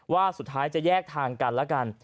ว่าสุดท้ายจะแยกทางกันแล้วกัน